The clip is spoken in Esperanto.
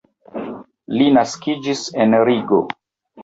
Li naskiĝis en Rigo.